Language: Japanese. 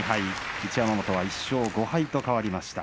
一山本は１勝５敗と変わりました。